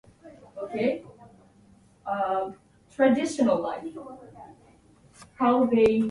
男が一度・・・！！！必ず帰ると言ったのだから！！！